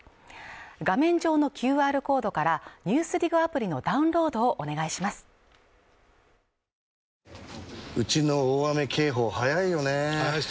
画面上のＱＲコードから「ＮＥＷＳＤＩＧ」アプリのダウンロードをお願いします